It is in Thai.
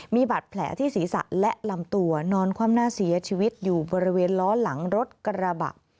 มีบาดแผลที่ศีรษะและลำตัวนอนคว่ำหน้าเสียชีวิตอยู่บริเวณล้อหลังรถกระบะ